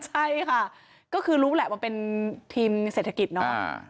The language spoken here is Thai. ใช่ค่ะก็คือรู้แหละว่าเป็นทีมเศรษฐกิจเนาะ